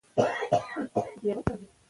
د احمدشاه بابا نوم به د تل لپاره پاتې وي.